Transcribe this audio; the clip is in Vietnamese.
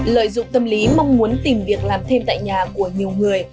lợi dụng tâm lý mong muốn tìm việc làm thêm tại nhà của nhiều người